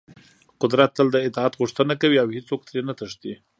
قدرت تل د اطاعت غوښتنه کوي او هېڅوک ترې نه تښتي.